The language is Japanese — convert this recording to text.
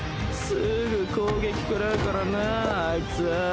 すぐ攻撃食らうからなぁあいつは